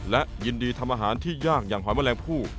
และยินดีทำอาหารที่ยากอย่างหอยแมลงผู้